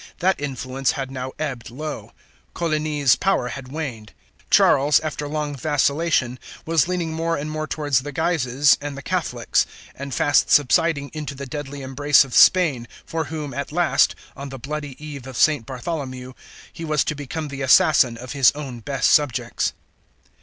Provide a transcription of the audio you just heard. That influence had now ebbed low; Coligny's power had waned; Charles, after long vacillation, was leaning more and more towards the Guises and the Catholics, and fast subsiding into the deathly embrace of Spain, for whom, at last, on the bloody eve of St. Bartholomew, he was to become the assassin of his own best subjects.